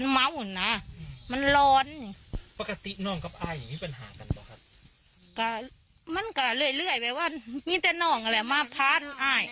มันก็เรื่อยแบบว่ามีแต่น้องแหละมาพาดอ้าย